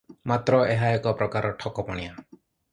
ମାତ୍ର ଏହା ଏକ ପ୍ରକାର ଠକ ପଣିଆ ।